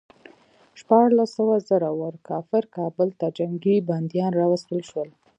شپاړس سوه زړه ور کافر کابل ته جنګي بندیان راوستل شول.